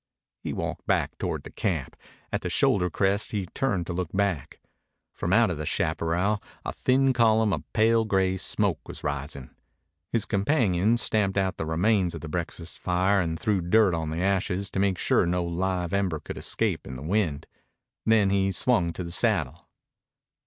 He walked back toward the camp. At the shoulder crest he turned to look back. From out of the chaparral a thin column of pale gray smoke was rising. His companion stamped out the remains of the breakfast fire and threw dirt on the ashes to make sure no live ember could escape in the wind. Then he swung to the saddle.